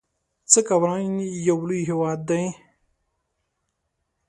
څه که وران يو لوی هيواد دی